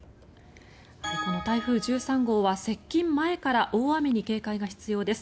この台風１３号は接近前から大雨に警戒が必要です。